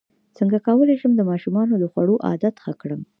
څنګه کولی شم د ماشومانو د خوړو عادت ښه کړم